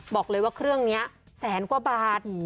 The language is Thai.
บอกเลยว่าเครื่องนี้แสนกว่าบาท